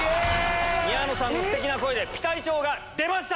宮野さんのステキな声でピタリ賞が出ました！